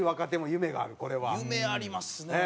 夢ありますね。